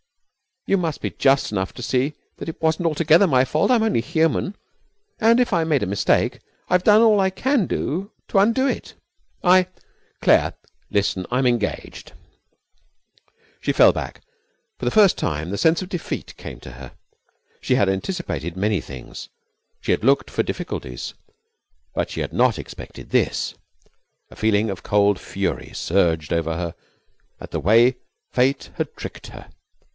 You must be just enough to see that it wasn't altogether my fault. I'm only human. And if I made a mistake I've done all I can do to undo it. I ' 'Claire, listen: I'm engaged!' She fell back. For the first time the sense of defeat came to her. She had anticipated many things. She had looked for difficulties. But she had not expected this. A feeling of cold fury surged over her at the way fate had tricked her.